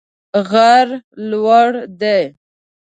غر لوړ دی